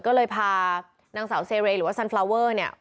ก็เลยพานางสาวเซเรหรือว่าซันฟลาวเวอร์